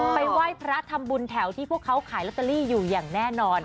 ไหว้พระทำบุญแถวที่พวกเขาขายลอตเตอรี่อยู่อย่างแน่นอน